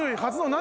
何？